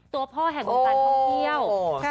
ตัวพ่อแห่งวงการท่องเที่ยว